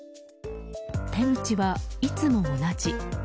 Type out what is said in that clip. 手口はいつも同じ。